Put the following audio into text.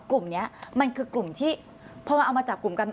กลุ่มนี้มันคือกลุ่มที่พอเอามาจับกลุ่มกัน